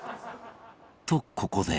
とここで